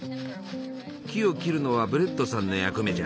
木を切るのはブレットさんの役目じゃ。